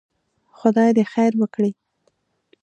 خدای دې خير وکړي.